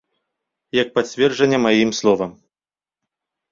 Як пацверджанне маім словам.